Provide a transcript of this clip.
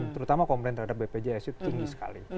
terutama komplain terhadap bpjs itu tinggi sekali